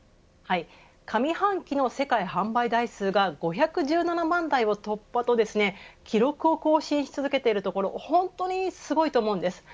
上半期の世界販売台数が５１７万台を突破と記録を更新し続けているところ本当にすごいと思うんです。